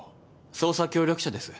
捜査協力者です。